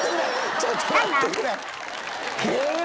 ちょっと待ってくれ！